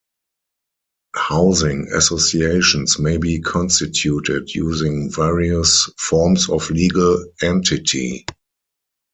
Housing associations may be constituted using various forms of legal entity.